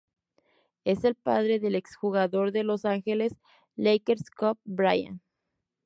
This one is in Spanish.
Es el padre del exjugador de Los Angeles Lakers Kobe Bryant.